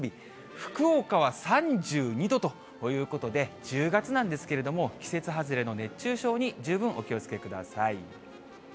福岡は３２度ということで、１０月なんですけれども、季節外れの熱中症に十分お気をつけください。